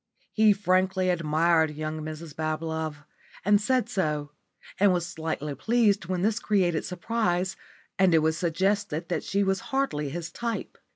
He frankly admired young Mrs Bablove, and said so, and was slightly pleased when this created surprise and it was suggested that she was hardly his type.